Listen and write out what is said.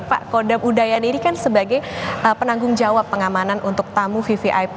pak kodam udayani ini kan sebagai penanggung jawab pengamanan untuk tamu vvip